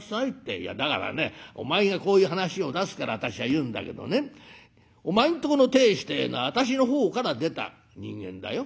「いやだからねお前がこういう話を出すから私は言うんだけどねお前んとこの亭主ってえのは私の方から出た人間だよ。